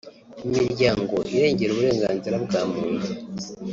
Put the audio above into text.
Imiryango irengera uburenganzira bwa muntu